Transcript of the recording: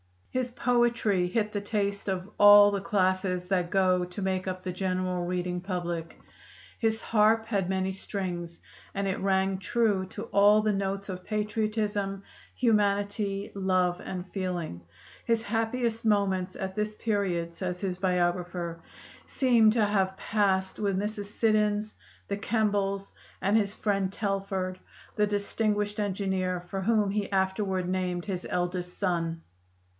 His poetry hit the taste of all the classes that go to make up the general reading public; his harp had many strings, and it rang true to all the notes of patriotism, humanity, love, and feeling. "His happiest moments at this period," says his biographer, "seem to have been passed with Mrs. Siddons, the Kembles, and his friend Telford, the distinguished engineer, for whom he afterward named his eldest son."